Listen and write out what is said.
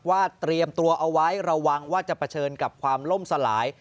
เตรียมตัวเอาไว้ระวังว่าจะเผชิญกับความล่มสลาย